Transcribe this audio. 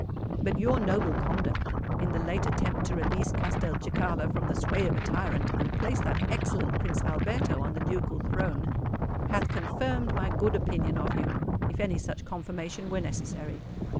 But your noble conduct in the late attempt to release Castelcicala from the sway of a tyrant, and place that excellent Prince Alberto on the ducal throne, has confirmed my good opinion of you—if any such confirmation were necessary.